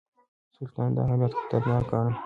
سلطان دا حالت خطرناک ګاڼه.